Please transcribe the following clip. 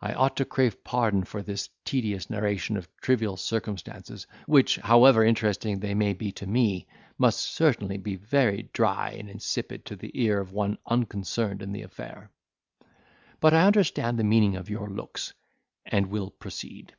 I ought to crave pardon for this tedious narration of trivial circumstances, which, however interesting they may be to me, must certainly be very dry and insipid to the ear of one unconcerned in the affair. But I understand the meaning of your looks, and will proceed.